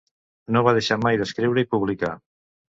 No va deixar mai d'escriure i publicar.